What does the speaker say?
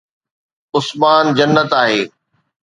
عثمان جنت آهي